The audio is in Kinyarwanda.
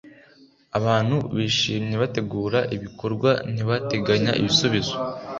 “abantu bishimye bategura ibikorwa, ntibateganya ibisubizo.”